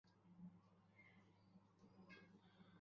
আমার ফিলিপ, একটা আঘাত?